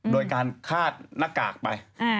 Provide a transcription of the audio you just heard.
โดยการคาดหน้ากากไป